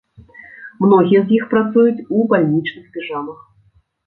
Многія з іх працуюць у бальнічных піжамах.